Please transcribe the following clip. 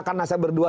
karena saya berdua